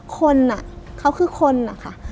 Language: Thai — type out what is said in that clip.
คนอ่ะเขาคือคนอ่ะค่ะ